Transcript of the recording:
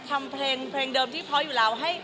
ทำเพลงเดิมที่เพราะอยู่แล้ว